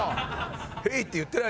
「Ｈｅｙ」って言ってない。